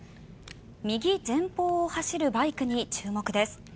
右前方を走るバイクに注目です。